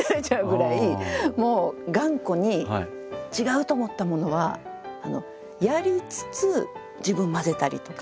もう頑固に違うと思ったものはやりつつ自分混ぜたりとか。